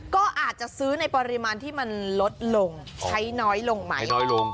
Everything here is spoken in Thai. ก็อาจจะซื้อในปริมาณที่มันลดลงใช้น้อยลงไหมน้อยลง